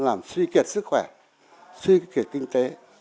làm suy kiệt sức khỏe suy kiệt kinh tế